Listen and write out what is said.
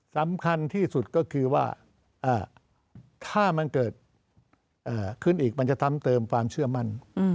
สำคัญที่สุดก็คือว่าถ้ามันเกิดขึ้นอีกมันจะซ้ำเติมความเชื่อมั่น